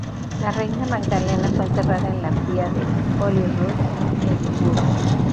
La reina Magdalena fue enterrada en la abadía de Holyrood en Edimburgo.